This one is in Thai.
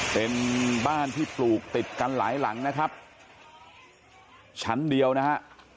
เป็นบ้านที่ปลูกติดกันหลายหลังนะครับชั้นเดียวนะฮะ